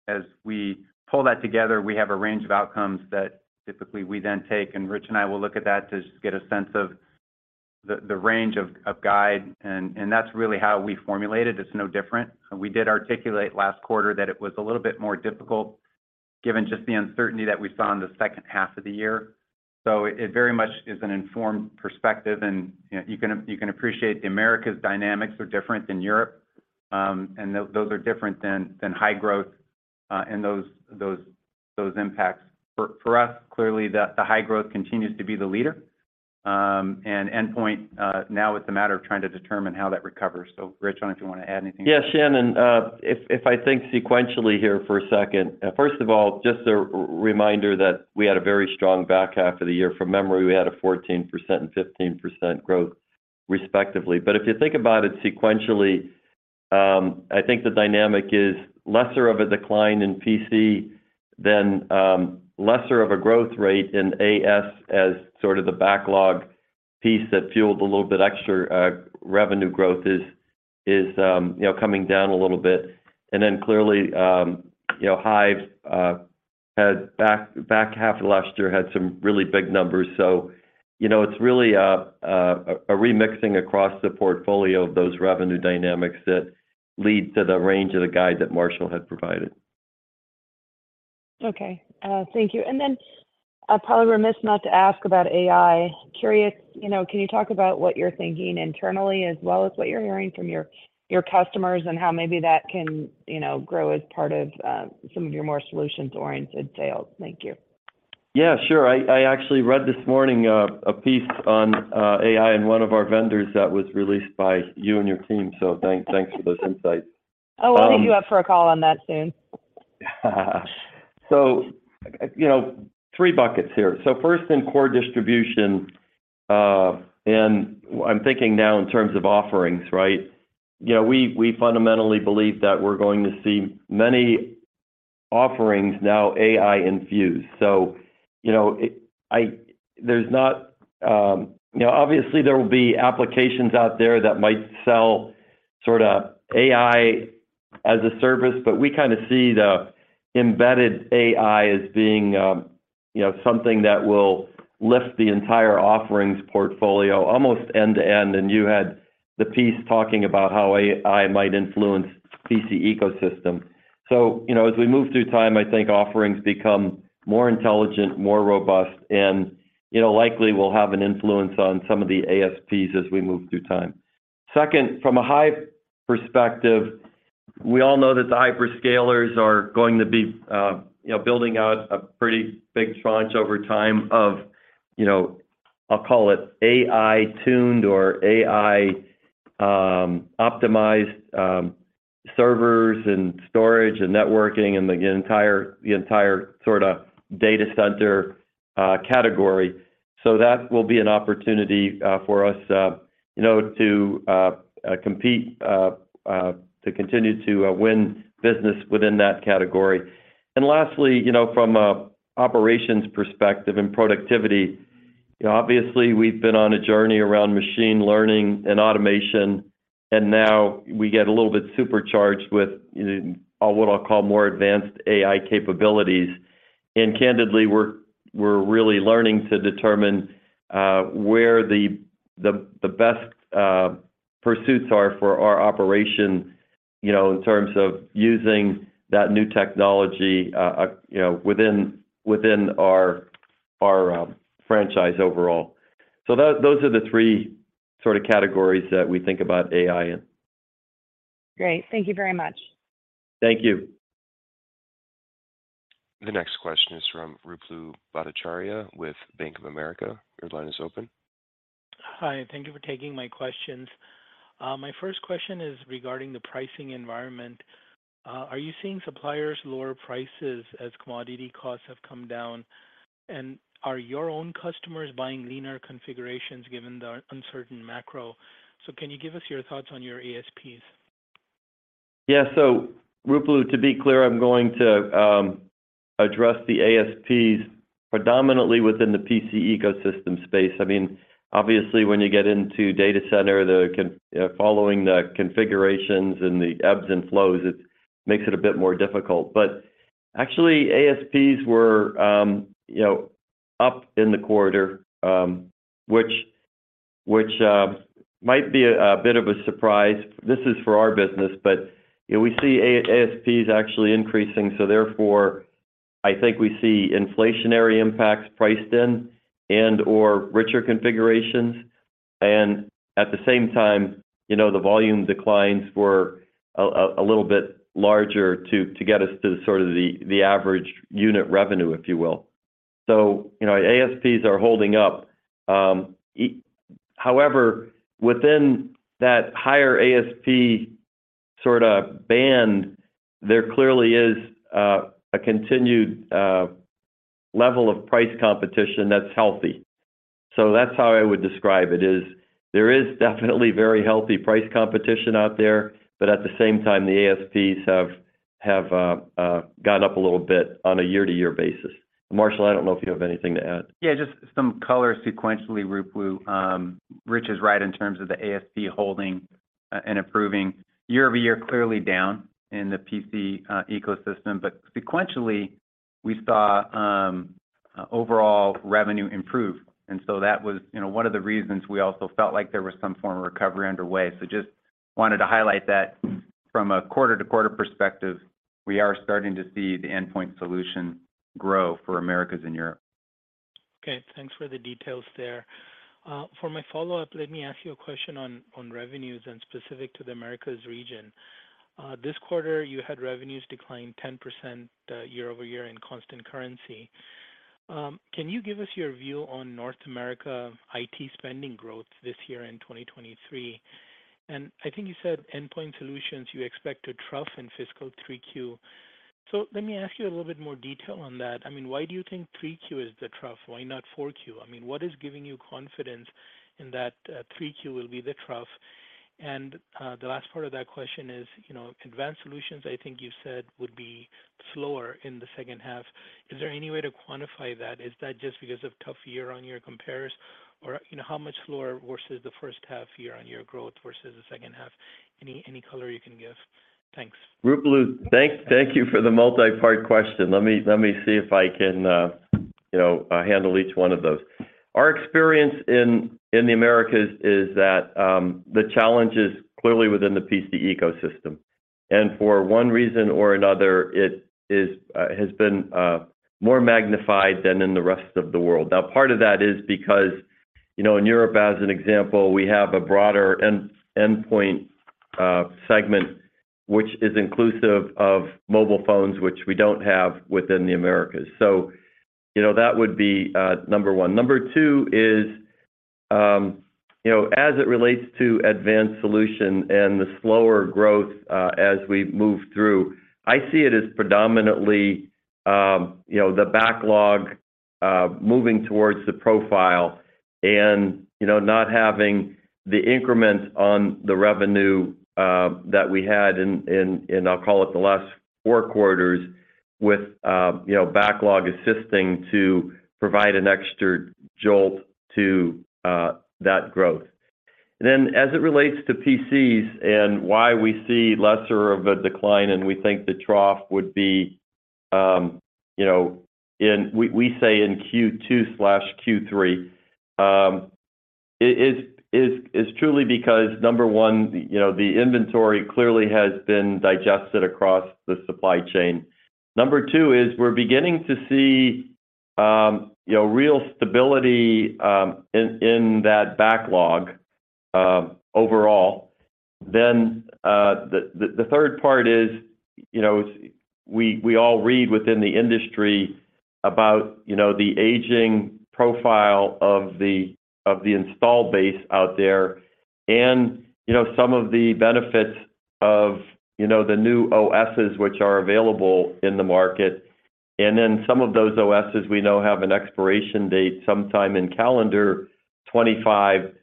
As we pull that together, we have a range of outcomes that typically we then take, and Rich and I will look at that to just get a sense of the range of guide, and that's really how we formulate it. It's no different. We did articulate last quarter that it was a little bit more difficult, given just the uncertainty that we saw in the second half of the year. It very much is an informed perspective, and, you know, you can appreciate the Americas dynamics are different than Europe, and those are different than High-Growth, and those impacts. For us, clearly, the High-Growth continues to be the leader. Endpoint, now it's a matter of trying to determine how that recovers. Rich Hume, I don't know if you want to add anything? Yeah, Shannon Cross, if I think sequentially here for a second, first of all, just a reminder that we had a very strong back half of the year. From memory, we had a 14% and 15% growth, respectively. If you think about it sequentiallyI think the dynamic is lesser of a decline in PC than lesser of a growth rate in AS, as sort of the backlog piece that fueled a little bit extra revenue growth is, you know, coming down a little bit. Clearly, you know, Hyve had back half of last year had some really big numbers. You know, it's really a remixing across the portfolio of those revenue dynamics that lead to the range of the guide that Marshall had provided. Okay, thank you. I'm probably remiss not to ask about AI. Curious, you know, can you talk about what you're thinking internally, as well as what you're hearing from your customers, and how maybe that can, you know, grow as part of some of your more solutions-oriented sales? Thank you. Yeah, sure. I actually read this morning a piece on AI and one of our vendors that was released by you and your team. Thanks for those insights. Oh, we'll hit you up for a call on that soon. You know, three buckets here. First, in core distribution, and I'm thinking now in terms of offerings, right? You know, we fundamentally believe that we're going to see many offerings now AI infused. You know, there's not... You know, obviously, there will be applications out there that might sell sort of AI as a service, but we kind of see the embedded AI as being, you know, something that will lift the entire offerings portfolio, almost end-to-end. You had the piece talking about how AI might influence PC ecosystem. You know, as we move through time, I think offerings become more intelligent, more robust, and, you know, likely will have an influence on some of the ASPs as we move through time. Second, from a high perspective, we all know that the hyperscalers are going to be, you know, building out a pretty big tranche over time of, you know, I'll call it AI-tuned or AI optimized, servers and storage and networking, and the entire sort of data center category. That will be an opportunity for us, you know, to compete to continue to win business within that category. Lastly, you know, from a operations perspective and productivity, obviously, we've been on a journey around machine learning and automation, and now we get a little bit supercharged with, you know, what I'll call more advanced AI capabilities. Candidly, we're really learning to determine where the best pursuits are for our operation, you know, in terms of using that new technology, you know, within our franchise overall. Those are the three sort of categories that we think about AI in. Great. Thank you very much. Thank you. The next question is from Ruplu Bhattacharya with Bank of America. Your line is open. Hi, thank you for taking my questions. My first question is regarding the pricing environment. Are you seeing suppliers lower prices as commodity costs have come down? Are your own customers buying leaner configurations given the uncertain macro? Can you give us your thoughts on your ASPs? Ruplu, to be clear, I'm going to address the ASPs predominantly within the PC ecosystem space. I mean, obviously, when you get into data center, following the configurations and the ebbs and flows, it makes it a bit more difficult. Actually, ASPs were, you know, up in the quarter, which might be a bit of a surprise. This is for our business, but, you know, we see ASPs actually increasing, therefore, I think we see inflationary impacts priced in and/or richer configurations. At the same time, you know, the volume declines were a little bit larger to get us to sort of the average unit revenue, if you will. You know, ASPs are holding up. However, within that higher ASP sort of band, there clearly is a continued level of price competition that's healthy. That's how I would describe it, is there is definitely very healthy price competition out there, but at the same time, the ASPs have gone up a little bit on a year-to-year basis. Marshall, I don't know if you have anything to add. Yeah, just some color sequentially, Ruplu. Rich is right in terms of the ASP holding and improving. Year-over-year, clearly down in the PC ecosystem, but sequentially, we saw overall revenue improve. That was, you know, one of the reasons we also felt like there was some form of recovery underway. Just wanted to highlight that from a quarter-to-quarter perspective, we are starting to see the Endpoint Solutions grow for Americas and Europe. Okay, thanks for the details there. For my follow-up, let me ask you a question on revenues and specific to the Americas region. This quarter, you had revenues decline 10% year-over-year in constant currency. Can you give us your view on North America IT spending growth this year in 2023? I think you said Endpoint Solutions, you expect to trough in fiscal 3Q. Let me ask you a little bit more detail on that. I mean, why do you think 3Q is the trough? Why not 4Q? I mean, what is giving you confidence in that, 3Q will be the trough? The last part of that question is, you know, Advanced Solutions, I think you said, would be slower in the second half. Is there any way to quantify that? Is that just because of tough year-on-year compares, or, you know, how much slower versus the first half year-on-year growth versus the second half? Any, any color you can give? Thanks. Ruplu, thank you for the multi-part question. Let me see if I can, you know, handle each one of those. Our experience in the Americas is that the challenge is clearly within the PC ecosystem, for one reason or another, it has been more magnified than in the rest of the world. Part of that is because, you know, in Europe, as an example, we have a broader endpoint segment, which is inclusive of mobile phones, which we don't have within the Americas. You know, that would be number one. Number two is, you know, as it relates to Advanced Solutions and the slower growth, as we move through, I see it as predominantly, you know, the backlog moving towards the profile and, you know, not having the increments on the revenue that we had in, in, I'll call it the last four quarters with, you know, backlog assisting to provide an extra jolt to that growth. As it relates to PCs and why we see lesser of a decline, and we think the trough would be, you know, we say in Q2/Q3, it is truly because, number one, you know, the inventory clearly has been digested across the supply chain. Number two is we're beginning to see, you know, real stability in that backlog overall. The third part is, you know, we all read within the industry about, you know, the aging profile of the install base out there, and, you know, some of the benefits of, you know, the new OSs, which are available in the market. Some of those OSs, we know, have an expiration date sometime in calendar 2025.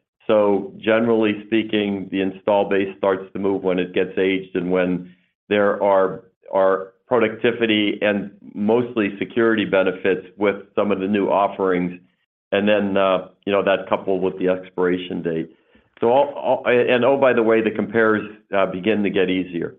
Generally speaking, the install base starts to move when it gets aged and when there are productivity and mostly security benefits with some of the new offerings, and then, you know, that coupled with the expiration date. All... Oh, by the way, the compares begin to get easier.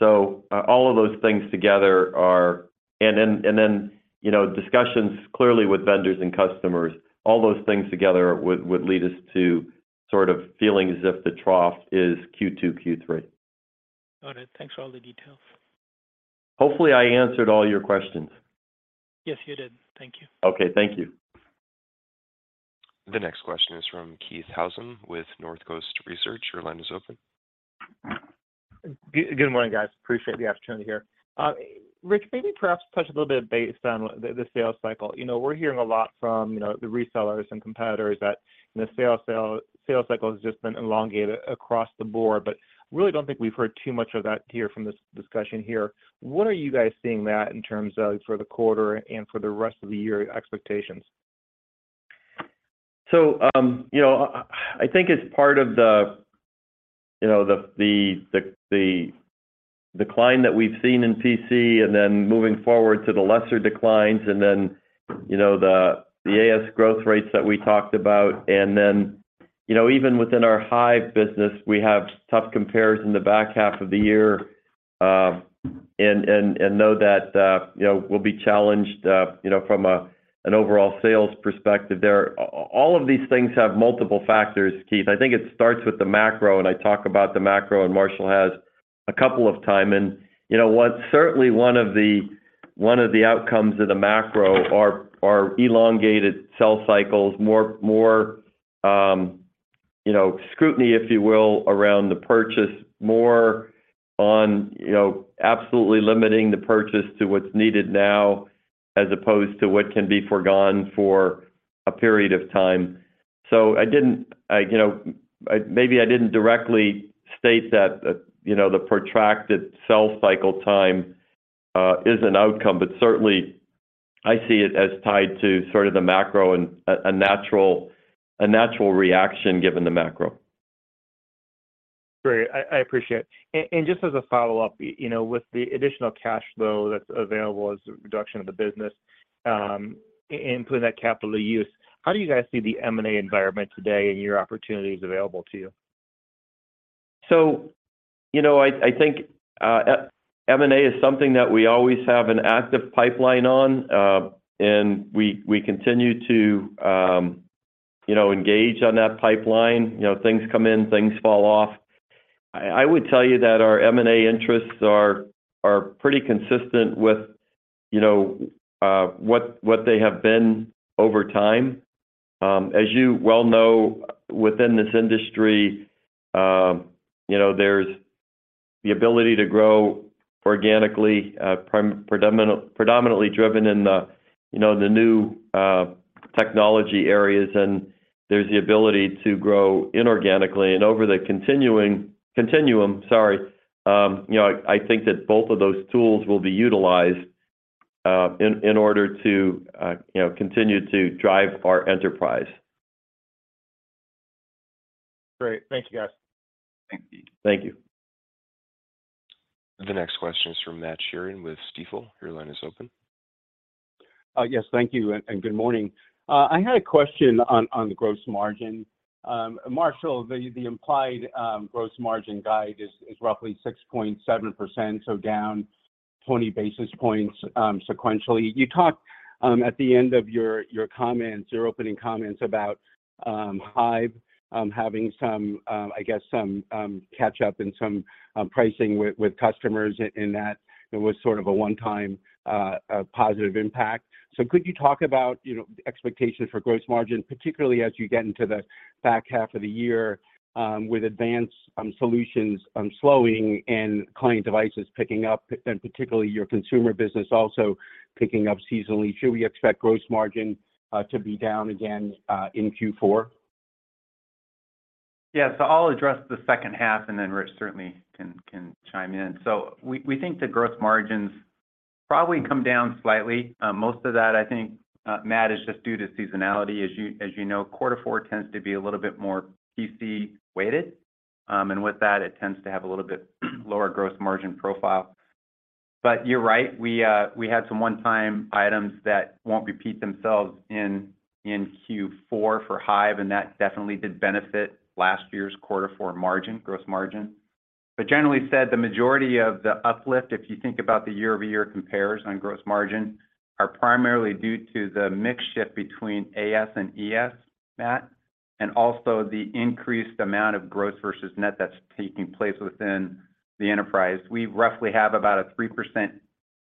All of those things together and then, you know, discussions clearly with vendors and customers, all those things together would lead us to sort of feeling as if the trough is Q2, Q3. Got it. Thanks for all the details. Hopefully, I answered all your questions. Yes, you did. Thank you. Okay, thank you. The next question is from Keith Housum with Northcoast Research. Your line is open. Good morning, guys. Appreciate the opportunity here. Rich, maybe perhaps touch a little bit base on the sales cycle? You know, we're hearing a lot from, you know, the resellers and competitors that the sales cycle has just been elongated across the board, but really don't think we've heard too much of that here from this discussion here. What are you guys seeing that in terms of for the quarter and for the rest of the year expectations? I think it's part of the, you know, the decline that we've seen in PC, and then moving forward to the lesser declines, and then, you know, the AS growth rates that we talked about. Even within our Hyve business, we have tough compares in the back half of the year, and know that, you know, we'll be challenged, you know, from an overall sales perspective there. All of these things have multiple factors, Keith. I think it starts with the macro, and I talk about the macro, and Marshall has a couple of time. You know, what's certainly one of the, one of the outcomes of the macro are elongated sell cycles, more scrutiny, if you will, around the purchase. More on, you know, absolutely limiting the purchase to what's needed now, as opposed to what can be forgone for a period of time. I, you know, maybe I didn't directly state that, you know, the protracted sell cycle time is an outcome, but certainly I see it as tied to sort of the macro and a natural reaction given the macro. Great. I appreciate it. Just as a follow-up, you know, with the additional cash flow that's available as a reduction of the business, including that capital use, how do you guys see the M&A environment today and your opportunities available to you? You know, I think M&A is something that we always have an active pipeline on, and we continue to, you know, engage on that pipeline. You know, things come in, things fall off. I would tell you that our M&A interests are pretty consistent with, you know, what they have been over time. As you well know, within this industry, you know, there's the ability to grow organically, predominantly driven in the, you know, the new technology areas, and there's the ability to grow inorganically. Over the continuum, sorry, you know, I think that both of those tools will be utilized in order to, you know, continue to drive our enterprise. Great. Thank you, guys. Thank you. The next question is from Matt Sheerin with Stifel. Your line is open. Yes, thank you, and good morning. I had a question on the gross margin. Marshall, the implied gross margin guide is roughly 6.7%, so down 20 basis points sequentially. You talked at the end of your comments, your opening comments about Hyve having some, I guess, some catch up and some pricing with customers, and that it was sort of a one-time positive impact. Could you talk about, you know, expectations for gross margin, particularly as you get into the back half of the year, with Advanced Solutions slowing and client devices picking up, and particularly your consumer business also picking up seasonally? Should we expect gross margin to be down again in Q4? Yeah. I'll address the second half, and then Rich certainly can chime in. Most of that, I think, Matt, is just due to seasonality. As you know, quarter four tends to be a little bit more PC-weighted, and with that, it tends to have a little bit lower gross margin profile. You're right, we had some one-time items that won't repeat themselves in Q4 for Hyve, and that definitely did benefit last year's quarter four margin, gross margin. Generally said, the majority of the uplift, if you think about the year-over-year compares on gross margin, are primarily due to the mix shift between AS and ES, Matt, and also the increased amount of gross versus net that's taking place within the enterprise. We roughly have about a 3%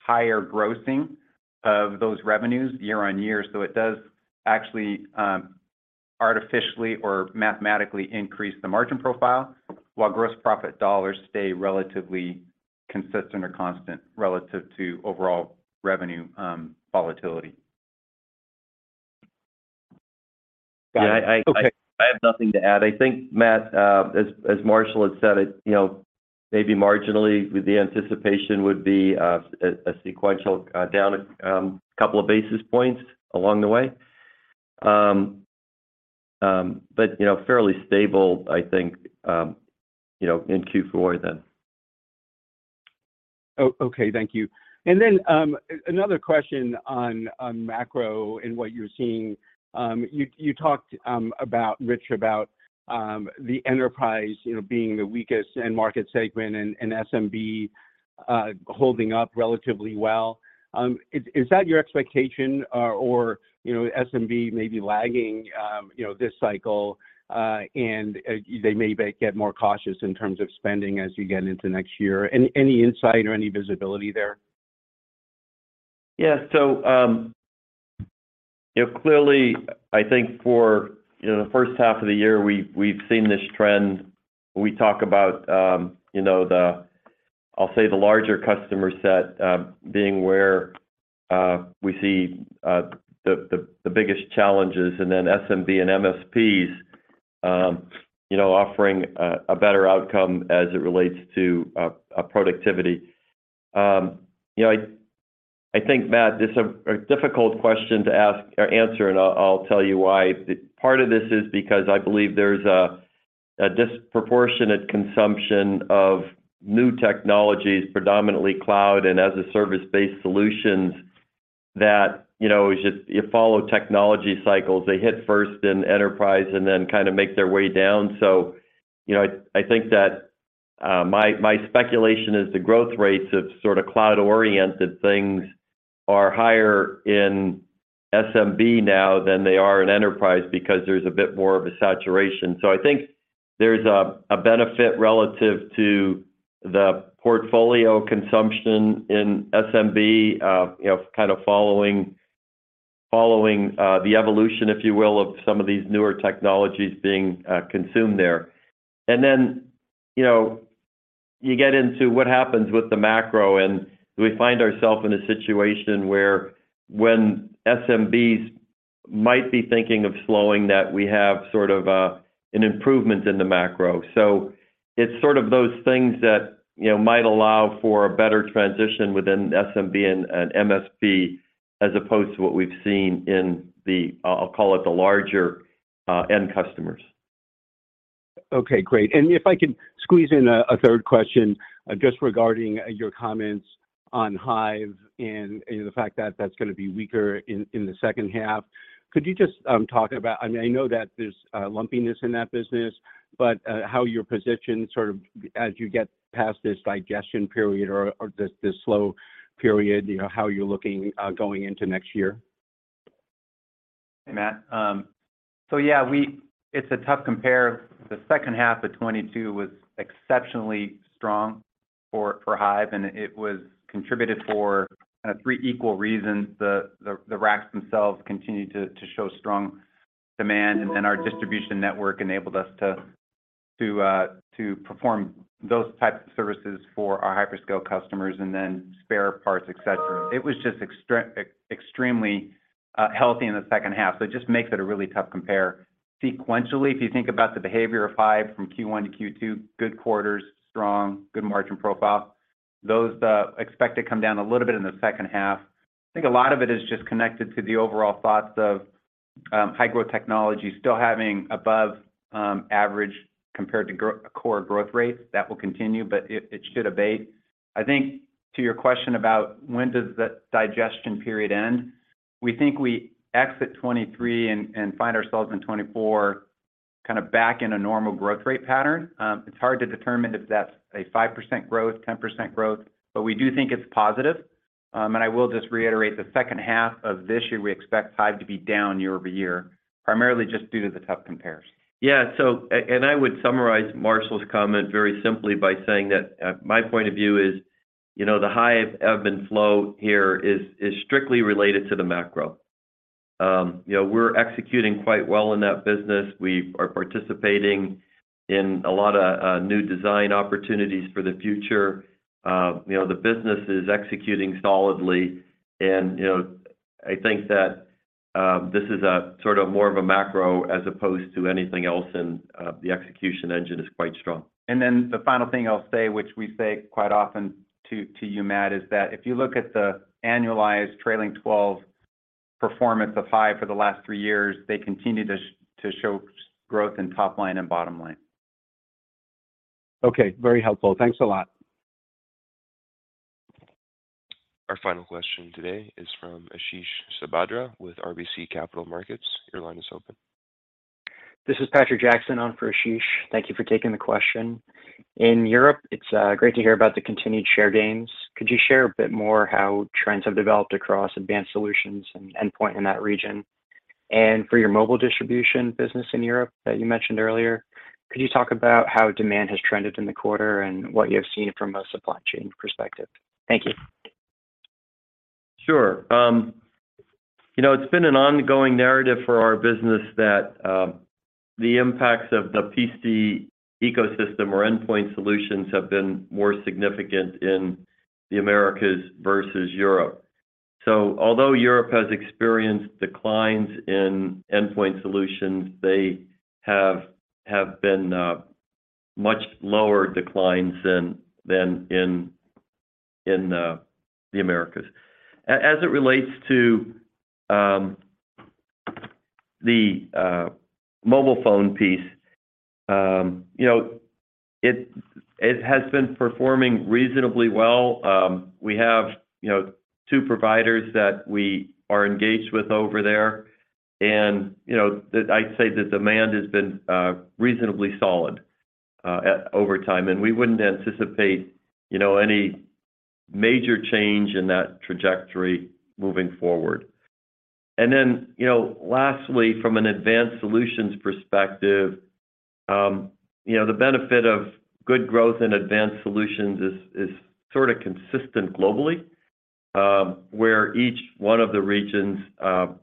higher grossing of those revenues year-over-year. It does actually, artificially or mathematically increase the margin profile, while gross profit dollars stay relatively consistent or constant relative to overall revenue, volatility. Got it. Okay. I have nothing to add. I think, Matt, as Marshall has said it, you know, maybe marginally the anticipation would be a sequential down couple of basis points along the way. you know, fairly stable, I think, you know, in Q4. Okay, thank you. Then, another question on macro and what you're seeing. You talked about, Rich, about the enterprise, you know, being the weakest end market segment and SMB holding up relatively well. Is that your expectation? Or, you know, SMB may be lagging, you know, this cycle, and they may get more cautious in terms of spending as you get into next year. Any insight or any visibility there? Yeah. you know, clearly, I think for, you know, the first half of the year, we've seen this trend. We talk about, you know, I'll say the larger customer set, being where we see the biggest challenges, and then SMB and MSPs, you know, offering a better outcome as it relates to productivity. you know, I think, Matt, this a difficult question to ask or answer, and I'll tell you why. Part of this is because I believe there's a disproportionate consumption of new technologies, predominantly cloud and as-a-service-based solutions, that, you know, as you follow technology cycles, they hit first in enterprise and then kind of make their way down. you know, I think that my speculation is the growth rates of sort of cloud-oriented things are higher in SMB now than they are in enterprise, because there's a bit more of a saturation. I think there's a benefit relative to the portfolio consumption in SMB, you know, kind of following the evolution, if you will, of some of these newer technologies being consumed there. you know, you get into what happens with the macro, and we find ourselves in a situation where when SMBs might be thinking of slowing, that we have sort of an improvement in the macro. it's sort of those things that, you know, might allow for a better transition within SMB and MSP, as opposed to what we've seen in the... I'll call it the larger end customers. Okay, great. If I could squeeze in a third question, just regarding your comments on Hyve and the fact that that's going to be weaker in the second half. Could you just talk about, I mean, I know that there's lumpiness in that business, but how you're positioned sort of, as you get past this digestion period or this slow period, you know, how you're looking going into next year? Hey, Matt. It's a tough compare. The second half of 2022 was exceptionally strong for Hyve, it was contributed for three equal reasons. The racks themselves continued to show strong demand, our distribution network enabled us to perform those types of services for our hyperscale customers, spare parts, et cetera. It was just extremely healthy in the second half, it just makes it a really tough compare. Sequentially, if you think about the behavior of Hyve from Q1-Q2, good quarters, strong, good margin profile. Those expect to come down a little bit in the second half. I think a lot of it is just connected to the overall thoughts of high-growth technology still having above average compared to core growth rates. That will continue, it should abate. I think to your question about when does the digestion period end, we think we exit 2023 and find ourselves in 2024, kind of back in a normal growth rate pattern. It's hard to determine if that's a 5% growth, 10% growth, we do think it's positive. I will just reiterate, the second half of this year, we expect Hyve to be down year-over-year, primarily just due to the tough compares. Yeah. I would summarize Marshall's comment very simply by saying that my point of view is, you know, the high ebb and flow here is strictly related to the macro. You know, we're executing quite well in that business. We are participating in a lot of new design opportunities for the future. You know, the business is executing solidly, and, you know, I think that this is a sort of more of a macro as opposed to anything else, and the execution engine is quite strong. The final thing I'll say, which we say quite often to you, Matt, is that if you look at the annualized trailing twelve performance of Hyve for the last three years, they continue to show growth in top line and bottom line. Okay, very helpful. Thanks a lot. Our final question today is from Ashish Sabadra with RBC Capital Markets. Your line is open. This is Patrick Jackson on for Ashish. Thank you for taking the question. In Europe, it's great to hear about the continued share gains. Could you share a bit more how trends have developed across Advanced Solutions and endpoint in that region? For your mobile distribution business in Europe that you mentioned earlier, could you talk about how demand has trended in the quarter and what you have seen from a supply chain perspective? Thank you. Sure. You know, it's been an ongoing narrative for our business that the impacts of the PC ecosystem or Endpoint Solutions have been more significant in the Americas versus Europe. Although Europe has experienced declines in Endpoint Solutions, they have been much lower declines than in the Americas. As it relates to the mobile phone piece, you know, it has been performing reasonably well. We have, you know, two providers that we are engaged with over there, and, you know, I'd say the demand has been reasonably solid over time, and we wouldn't anticipate, you know, any major change in that trajectory moving forward. You know, lastly, from an Advanced Solutions perspective, you know, the benefit of good growth in Advanced Solutions is sort of consistent globally, where each one of the regions are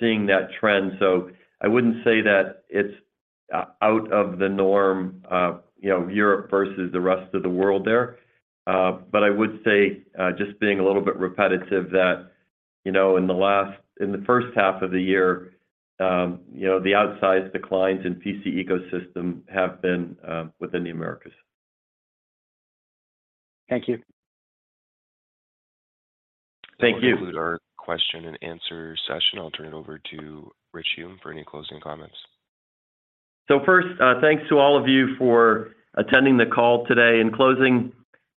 seeing that trend. I wouldn't say that it's out of the norm, you know, Europe versus the rest of the world there. I would say, just being a little bit repetitive, that, you know, in the first half of the year, you know, the outsized declines in PC ecosystem have been within the Americas. Thank you. Thank you. That'll conclude our question and answer session. I'll turn it over to Rich Hume for any closing comments. First, thanks to all of you for attending the call today. In closing,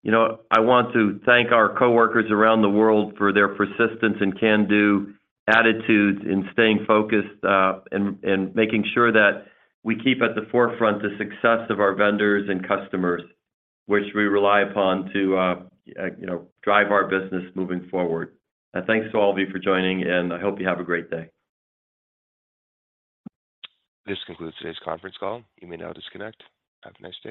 you know, I want to thank our coworkers around the world for their persistence and can-do attitudes in staying focused, and making sure that we keep at the forefront the success of our vendors and customers, which we rely upon to, you know, drive our business moving forward. Thanks to all of you for joining, and I hope you have a great day. This concludes today's conference call. You may now disconnect. Have a nice day.